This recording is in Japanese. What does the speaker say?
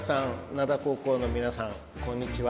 灘高校の皆さんこんにちは。